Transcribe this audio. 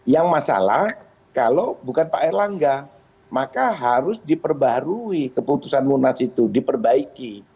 yang masalah kalau bukan pak erlangga maka harus diperbarui keputusan munas itu diperbaiki